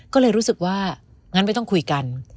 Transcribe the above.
ก็เลยรู้สึกว่างั้นไม่ต้องคุยกัน